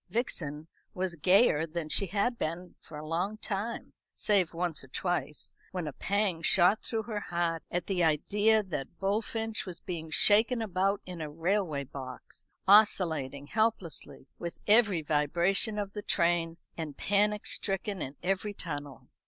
Vixen was gayer than she had been for a long time, save once or twice, when a pang shot through her heart at the idea that Bullfinch was being shaken about in a railway box, oscillating helplessly with every vibration of the train, and panic stricken in every tunnel.